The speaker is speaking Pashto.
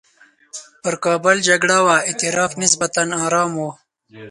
پر کابل جګړه وه اطراف نسبتاً ارام وو.